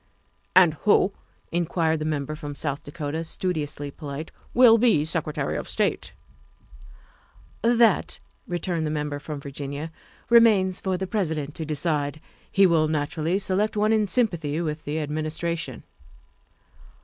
'' "And who," inquired the Member from South Dakota, studiously polite, " will be Secretary of State?" " That," returned the Member from Virginia, " re mains for the President to decide. He will naturally select one in sympathy with the Administration."